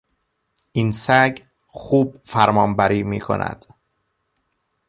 این سگ خوب فرمانبری می کند.